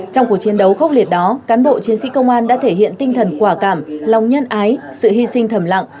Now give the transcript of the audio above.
trong cuộc chiến đấu khốc liệt đó cán bộ chiến sĩ công an đã thể hiện tinh thần quả cảm lòng nhân ái sự hy sinh thầm lặng